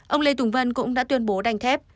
ông lê tùng vân cũng đã tuyên bố đánh thép